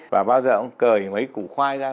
và bao giờ cũng cởi mấy củ khoai ra